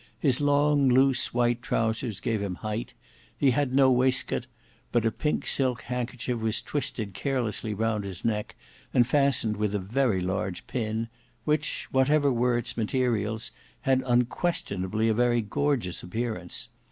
His long, loose, white trousers gave him height; he had no waistcoat, but a pink silk handkerchief was twisted carelessly round his neck, and fastened with a very large pin, which, whatever were its materials, had unquestionably a very gorgeous appearance.